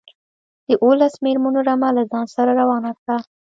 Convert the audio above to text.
د اوولس مېرمنو رمه له ځان سره روانه کړه.